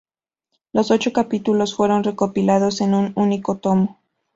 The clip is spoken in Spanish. Los ocho capítulos fueron recopilados en un único tomo.